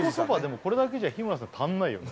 これだけじゃ日村さん足んないよね